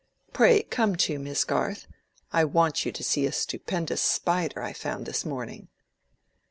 Pray come too, Miss Garth. I want you to see a stupendous spider I found this morning."